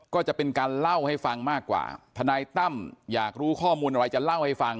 ก็จะเป็นการเล่าให้ฟังมากกว่าทนายตั้มอยากรู้ข้อมูลอะไรจะเล่าให้ฟัง